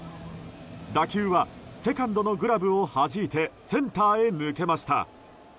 打球はセカンドのグラブをはじいてセンターへ抜けました。